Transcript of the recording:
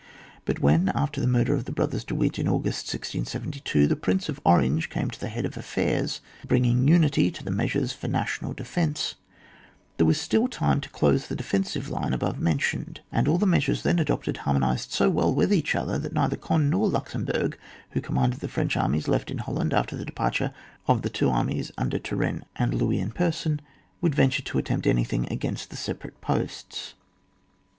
But when, after the murder of the brothers De Witt, in August 1672, the Prince of Orange came to the head of afiTairs, bringing unity to the measures for national defence, there was still time to close the defensive line above men tioned, and all the measures then adopted harmonised so well with each other that neither Cond^ nor Luxembourg, who conunanded the French armies left in Holland after the departure of the two armies under Turenne and Louis in per son, would venture to attempt anything against the separate posts.